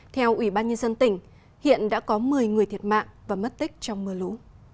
theo ủy ban nhân dân tỉnh hiện đã có một mươi người thiệt mạng và mất tích trong mưa lũ